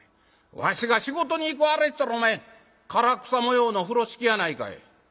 わしが仕事に行く『あれ』って言うたらお前唐草模様の風呂敷やないかい」。